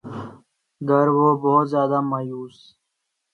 گر وہ بہت زیادہ مایوس